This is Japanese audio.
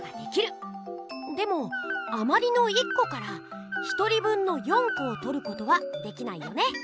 でもあまりの１こから１人分の４こをとることはできないよね！